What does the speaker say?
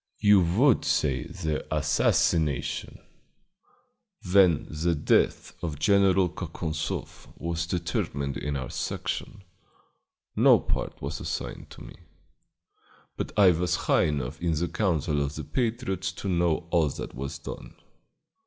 "You would say the assassination when the death of General Kakonzoff was determined in our Section, no part was assigned to me, but I was high enough in the counsels of the patriots to know all that was done.